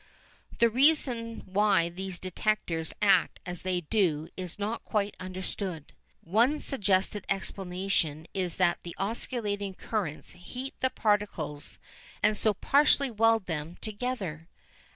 The reason why these detectors act as they do is not quite understood. One suggested explanation is that the oscillating currents heat the particles and so partially weld them together.